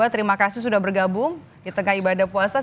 terima kasih sudah bergabung di tengah ibadah puasa